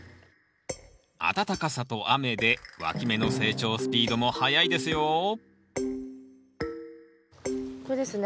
暖かさと雨でわき芽の成長スピードも速いですよこれですね？